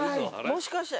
もしかして。